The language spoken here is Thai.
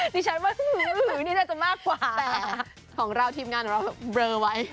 ดิฉันว่าซื้อหนังสือนี่น่าจะมากกว่าแต่ของเราทีมงานของเราเบลอไว้